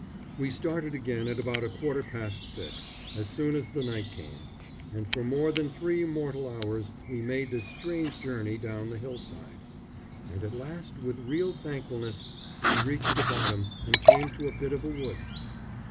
We started again at about a quarter past six, as soon as the night came, and for more than three mortal hours we made this strange journey down the hillside; and at last, with real thankfulness, we reached the bottom and came to a bit of a wood.